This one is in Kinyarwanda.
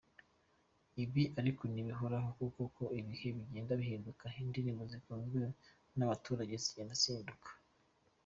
Ibi ariko ntibihoraho kuko uko ibihe bigenda bihinduka indirimbo zikunzwe n’abaturage zigenda zihinduka.